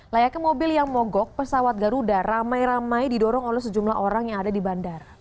layaknya mobil yang mogok pesawat garuda ramai ramai didorong oleh sejumlah orang yang ada di bandara